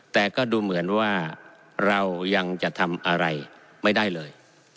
แต่ก็ดูเหมือนว่าเรายังจะทำอะไรไม่ได้เลย